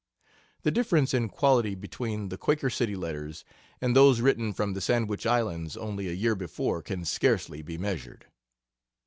The difference in quality between the Quaker City letters and those written from the Sandwich Islands only a year before can scarcely be measured.